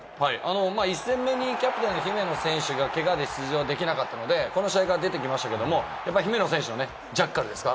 １戦目に姫野選手がけがで出場できなかったので、この試合が出てきましたけれど、姫野選手のジャッカルですか？